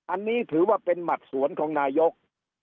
อันนี้ถือว่าเป็นหมัดสวนของนายก